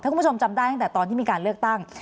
คุณผู้ชมจำได้ตั้งแต่ตอนที่มีการเลือกตั้ง